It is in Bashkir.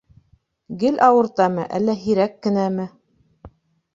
Гел ауыртамы әллә һирәк кенәме?